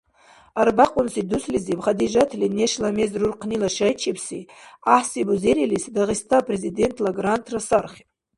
Арбякьунси дуслизиб Хадижатли нешла мез руркънила шайчибси гӀяхӀси бузерилис, Дагъиста Президентла грантра сархиб.